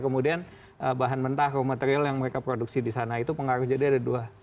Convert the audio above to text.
kemudian bahan mentah raw material yang mereka produksi di sana itu pengaruh jadi ada dua